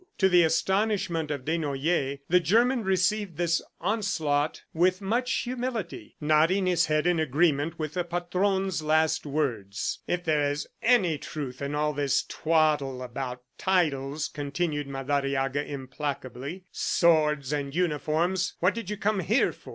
To the astonishment of Desnoyers, the German received this onslaught with much humility, nodding his head in agreement with the Patron's last words. "If there's any truth in all this twaddle about titles," continued Madariaga implacably, "swords and uniforms, what did you come here for?